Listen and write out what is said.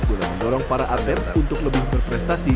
gula mendorong para atlet untuk lebih berprestasi